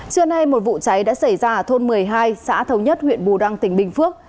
trưa nay một vụ cháy đã xảy ra ở thôn một mươi hai xã thống nhất huyện bù đăng tỉnh bình phước